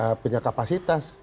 pak endar punya kapasitas